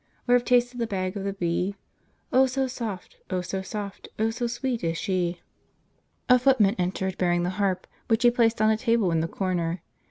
Or have tasted the bag of the bee? Oh, so white! oh, so soft! oh, so sweet is she!' A footman entered, bearing the harp, which he placed on a table in the corner.